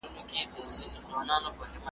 د رباب او سارنګ له شرنګ سره دادی .